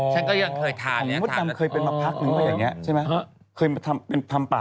ฉันก็ยังเคยทานเนี้ยทานโอ้โหมสตำ